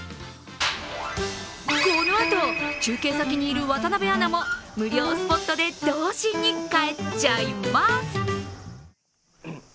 このあと、中継先にいる渡部アナも無料スポットで、童心に返っちゃいます！